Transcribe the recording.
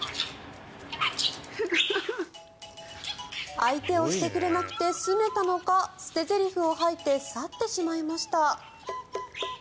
相手をしてくれなくてすねたのか捨てゼリフを吐いて去ってしまいました。